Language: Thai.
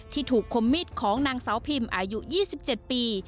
ที่ถูกคมมีดของนางสาวพิมอายุ๒๗ปี